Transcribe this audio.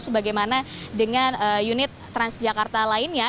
sebagaimana dengan unit transjakarta lainnya